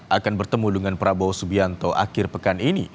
akan bertemu dengan prabowo subianto akhir pekan ini